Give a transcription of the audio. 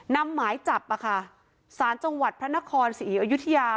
หมายจับสารจังหวัดพระนครศรีอยุธยา